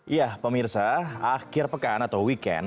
ya pemirsa akhir pekan atau weekend